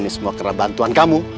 ini semua kerebatuan kamu